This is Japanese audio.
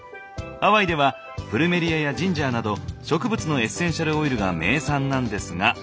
ハワイではプルメリアやジンジャーなど植物のエッセンシャルオイルが名産なんですが。